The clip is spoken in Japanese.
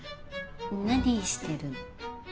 何してるの？